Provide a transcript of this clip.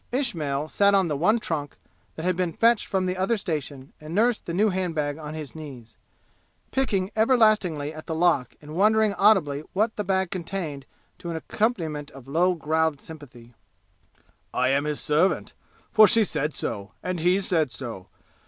Ismail sat on the one trunk that had been fetched from the other station and nursed the new hand bag on his knees, picking everlastingly at the lock and wondering audibly what the bag contained to an accompaniment of low growled sympathy. "I am his servant for she said so and he said so.